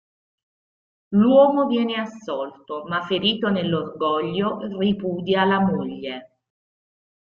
L'uomo viene assolto ma ferito nell'orgoglio ripudia la moglie.